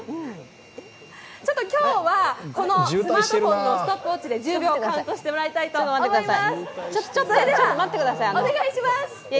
今日は、このスマートフォンのスマットウォッチで１０秒をカウントしてもらいたいと思います。